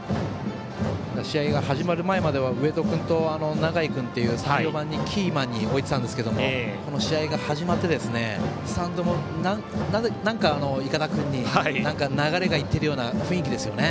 試合が始まる前までは植戸君と永井君という３、４番にキーマンを置いていたんですがこの試合が始まって筏君に流れが行っているような雰囲気ですよね。